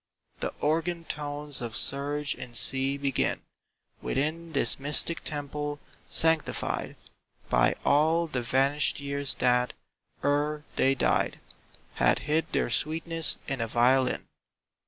The organ tones of surge and sea begin Within this mystic temple, sanctified By all the vanished years that, ere they died, Had hid their sweetness in a violin.